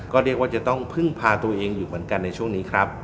ก็เรียกว่าจะต้องพึ่งพาตัวเองอยู่เหมือนกันในช่วงนี้ครับ